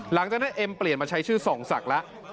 หลังจากนั้นเอ็มเปลี่ยนมาใช้ชื่อส่องศักดิ์แล้ว